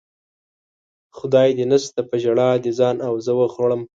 خندا دې نشته په ژړا دې ځان او زه وخوړم